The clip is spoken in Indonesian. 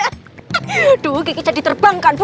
aduh kiki jadi terbang kan bu